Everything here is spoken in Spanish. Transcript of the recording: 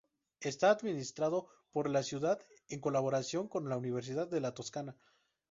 Está administrado por la ciudad en colaboración con la Universidad de la Toscana.